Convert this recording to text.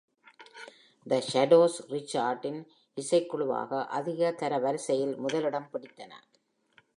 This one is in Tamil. The Shadows Richard இன் இசைக்குழுவாக அதிக தரவரிசையில் முதலிடம் பிடித்தன.